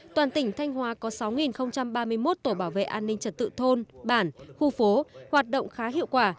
toàn tỉnh thanh hóa có sáu ba mươi một tổ bảo vệ an ninh trật tự thôn bản khu phố hoạt động khá hiệu quả